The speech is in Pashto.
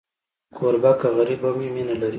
کوربه که غریب هم وي، مینه لري.